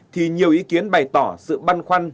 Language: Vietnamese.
thì nhiều ý kiến bày tỏ sự băn khoăn